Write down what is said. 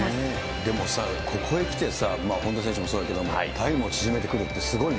でもさ、ここへきてさ、本多選手もそうだけれども、タイムを縮めてくるってすごいね。